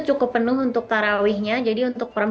mbak erin pernah nggak datang ke acara tersebut